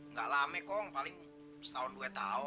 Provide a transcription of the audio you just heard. nggak lama kong paling setahun dua tahun